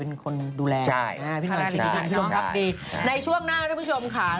เป็นคนดูแลพี่หน่อยคิดดีกันพี่ร่วมครับดีในช่วงหน้าคุณผู้ชมค่ะ